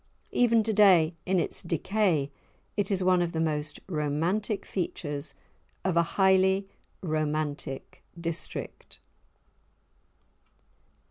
Even today, in its decay, it is one of the most romantic features of a highly romantic district.